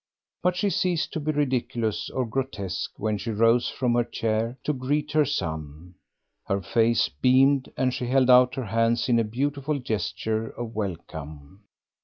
But she ceased to be ridiculous or grotesque when she rose from her chair to greet her son. Her face beamed, and she held out her hands in a beautiful gesture of welcome.